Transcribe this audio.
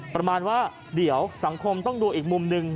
ประมาณว่าเดี๋ยวสังคมต้องดูอีกมุมหนึ่ง